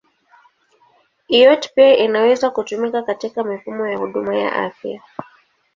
IoT pia inaweza kutumika katika mifumo ya huduma ya afya.